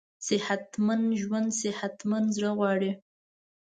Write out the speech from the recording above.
صحتمند ژوند صحتمند زړه غواړي.